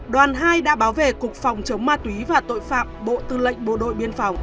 đoàn hai đã báo về cục phòng chống ma túy và tội phạm bộ tư lệnh bộ đội biên phòng